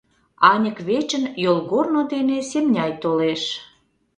Аньык вечын йолгорно дене Семняй толеш.